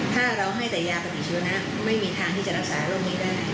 ถ้าเราให้แต่ยาปฏิชีวนะไม่มีทางที่จะรักษาโรคนี้ได้